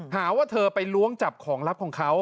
หาว่าเธอไปล้วงจับของลับของเขา